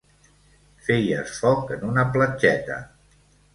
Feies foc en una platgeta.